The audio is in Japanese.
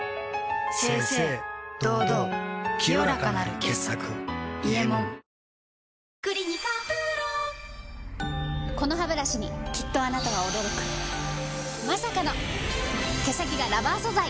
清々堂々清らかなる傑作「伊右衛門」このハブラシにきっとあなたは驚くまさかの毛先がラバー素材！